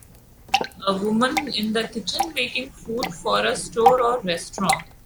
A woman is in the kitchen making food for a store or restaurant.